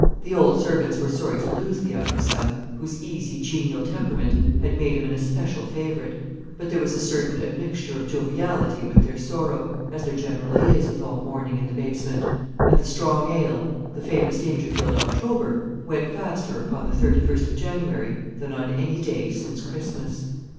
The old servants were sorry to lose the younger born, whose easy, genial temperament had made him an especial favourite; but there was a certain admixture of joviality with their sorrow, as there generally is with all mourning in the basement; and the strong ale, the famous Dangerfield October, went faster upon that 31st of January than on any day since Christmas.